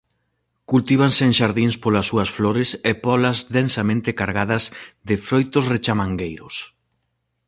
Cultívanse en xardíns polas súas flores e pólas densamente cargadas de froitos rechamangueiros.